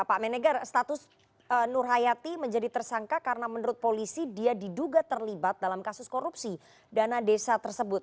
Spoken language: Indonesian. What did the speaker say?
pak menegar status nur hayati menjadi tersangka karena menurut polisi dia diduga terlibat dalam kasus korupsi dana desa tersebut